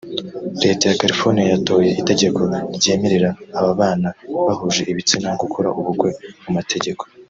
Leta ya California yatoye itegeko ryemerera ababana bahuje ibitsina gukora ubukwe mu mategeko